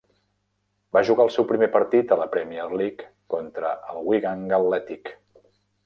Va jugar el seu primer partit a la Premier League contra el Wigan Athletic.